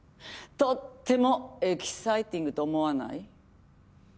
とってもエキサイティングと思わない？